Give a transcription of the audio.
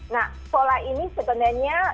nah pola ini sebenarnya